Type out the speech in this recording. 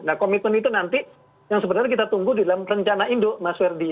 nah komitmen itu nanti yang sebenarnya kita tunggu di dalam rencana induk mas ferdi